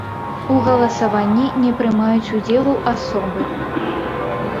У галасаванні не прымаюць удзелу асобы.